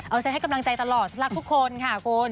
เอาฉันให้กำลังใจตลอดฉันรับคุณคุณค่ะโค้น